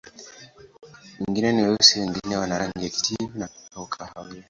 Wengine ni weusi, wengine wana rangi ya kijivu au kahawia.